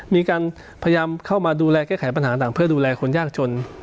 มีการพยายามเข้ามาดูแลแก้ไขปัญหาต่างเพื่อดูแลคนยากจน